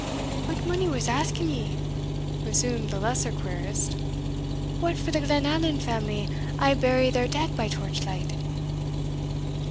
"But minnie was asking ye," resumed the lesser querist, "what for the Glenallan family aye bury their dead by torch light?"